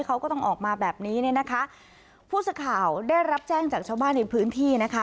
เขาก็ต้องออกมาแบบนี้เนี่ยนะคะผู้สื่อข่าวได้รับแจ้งจากชาวบ้านในพื้นที่นะคะ